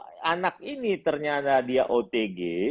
kalau anak ini ternyata dia otg